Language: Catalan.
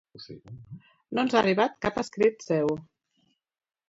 No ens ha arribat cap escrit seu.